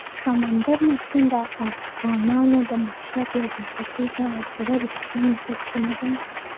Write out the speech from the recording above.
سمندر نه شتون د افغانانو د معیشت یوه بنسټیزه او پوره رښتینې سرچینه ده.